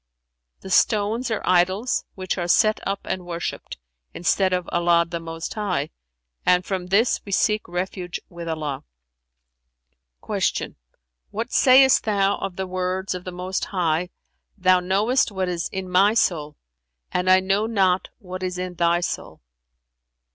[FN#378] "The stones are idols, which are set up and worshipped, instead of Allah the Most High, and from this we seek refuge with Allah." Q "What sayest thou of the words of the Most High 'Thou knowest what is in my soul, and I know not what is in Thy soul'"?